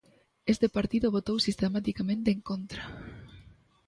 Este partido votou sistematicamente en contra.